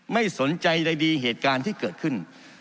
ไม่สนใจใดดีเหตุการณ์ที่เกิดขึ้น